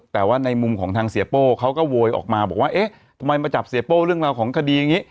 แต่ว่าในมุมของทางเสียโป้เขาก็โวยออกมาบอกว่าเอ๊ะทำไมมาจับเสียโป้เรื่องราวของคดีอย่างนี้